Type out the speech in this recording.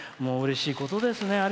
うれしいことですね。